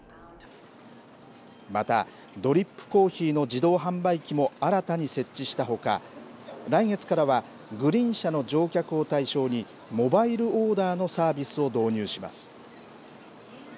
また、ドリップコーヒーの自動販売機も新たに設置したほか、来月からはグリーン車の乗客を対象に、モバイルオーダーのサービスを導入します。